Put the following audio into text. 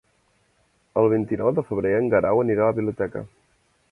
El vint-i-nou de febrer en Guerau anirà a la biblioteca.